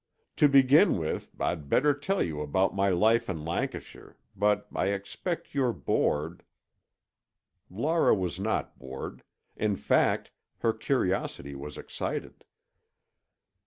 "To begin with, I'd better tell you about my life in Lancashire, but I expect you're bored " Laura was not bored; in fact, her curiosity was excited.